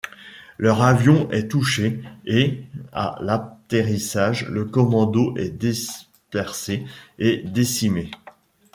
Leur avion est touché, et, à l'atterrissage, le commando est dispersé et décimé.